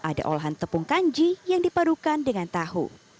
tahu aci dipotong dengan tepung kanji yang dipadukan dengan tahu